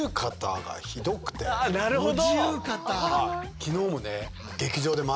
なるほど！